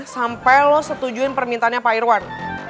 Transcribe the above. sampai lo setujuin permintaannya pak irwan